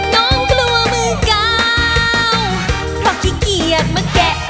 น้องกลัวมือกาวเพราะขี้เกียจมาแกะ